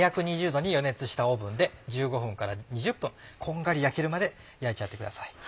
℃に予熱したオーブンで１５分から２０分こんがり焼けるまで焼いちゃってください。